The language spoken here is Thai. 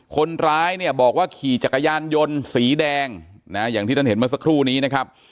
คนร้ายเนี่ยบอกว่าขี่จักรยานยนต์สีแดงนะอย่างที่ท่านเห็นเมื่อสักครู่นี้นะครับ